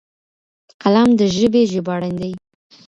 قلم د ژبې ژباړن دی.